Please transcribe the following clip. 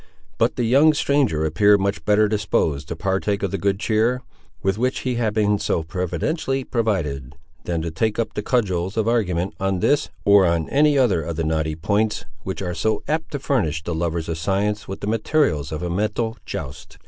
But the young stranger appeared much better disposed to partake of the good cheer, with which he had been so providentially provided, than to take up the cudgels of argument on this, or on any other of the knotty points which are so apt to furnish the lovers of science with the materials of a mental joust.